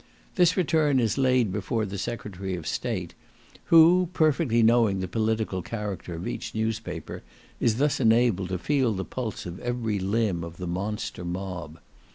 This return is laid before the Secretary of State, who, perfectly knowing the political character of each newspaper, is thus enabled to feel the pulse of every limb of the monster mob.